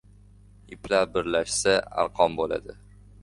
• Iplar birlashsa arqon bo‘ladi.